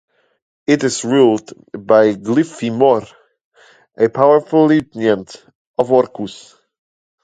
It is ruled by Glyphimhor, a powerful lieutenant of Orcus.